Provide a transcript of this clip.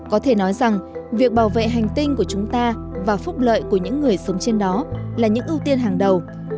có thể nói rằng việc bảo vệ hành tinh của chúng ta và phúc lợi của những người sống trên đó là những ưu tiên hàng đầu